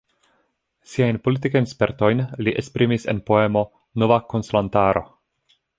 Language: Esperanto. Siajn politikajn spertojn li esprimis en poemo Nova konsilantaro.